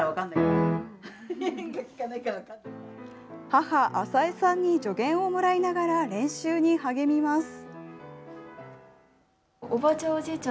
母・あさえさんに助言をもらいながら練習に励みます。